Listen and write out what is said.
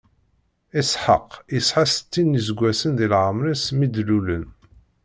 Isḥaq isɛa settin n iseggasen di lɛemṛ-is, mi d-lulen.